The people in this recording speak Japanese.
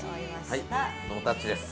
ノータッチです。